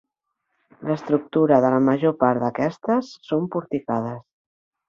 L'estructura de la major part d'aquestes són porticades.